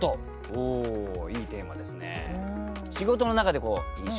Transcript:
おおいいテーマですね。